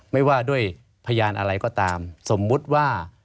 ไม่ว่าด้วยพยานอะไรก็ตามสมมุติว่า